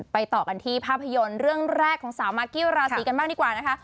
ต่อกันที่ภาพยนตร์เรื่องแรกของสาวมากกี้ราศีกันบ้างดีกว่านะคะ